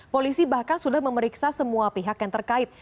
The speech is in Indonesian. polisi bahkan sudah memeriksa semua pihak yang terkait